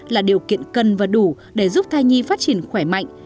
là điều kiện cần và đủ để giúp thai nhi phát triển khỏe mạnh